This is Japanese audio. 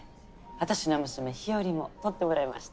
私の娘ひよりんも撮ってもらいました。